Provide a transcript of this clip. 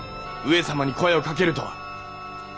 上様に声をかけるとは。